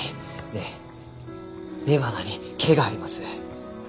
で雌花に毛があります。